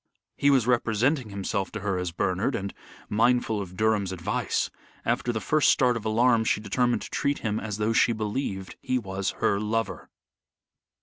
He was representing himself to her as Bernard, and, mindful of Durham's advice, after the first start of alarm she determined to treat him as though she believed he was her lover.